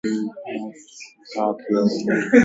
Special exhibitions are held in the fourth exhibition room.